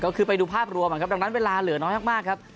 ก็คือไปดูภาพรวมนะครับดังนั้นเวลาเหลือน้อยมากครับ